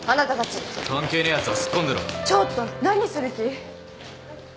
ちょっと何する気？